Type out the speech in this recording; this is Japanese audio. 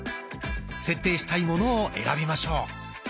設定したいものを選びましょう。